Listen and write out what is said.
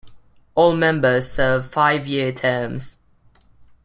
All members serve five-year terms.